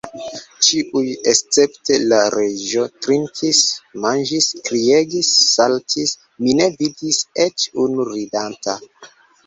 Ĉiuj, escepte la Reĝo, trinkis, manĝis, kriegis, saltis: mi ne vidis eĉ unu ridanta.